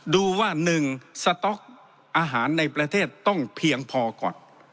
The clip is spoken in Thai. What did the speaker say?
ดูว่า๑สต๊อกอาหารในประเทศต้องเพียงพอก่อน